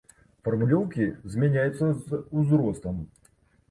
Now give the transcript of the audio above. Фармулёўкі змяняюцца з узростам.